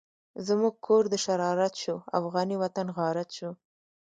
زمونږ کور دشرارت شو، افغانی وطن غارت شو